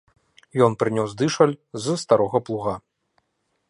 Ён прынёс дышаль з старога плуга.